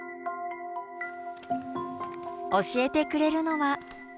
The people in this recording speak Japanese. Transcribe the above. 教えてくれるのは。